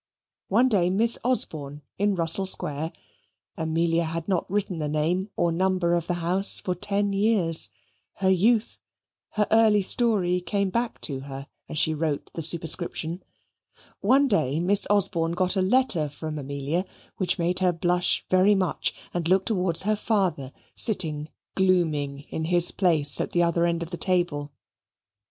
One day, Miss Osborne, in Russell Square (Amelia had not written the name or number of the house for ten years her youth, her early story came back to her as she wrote the superscription) one day Miss Osborne got a letter from Amelia which made her blush very much and look towards her father, sitting glooming in his place at the other end of the table.